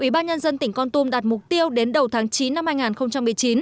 ubnd tỉnh con tum đạt mục tiêu đến đầu tháng chín năm hai nghìn một mươi chín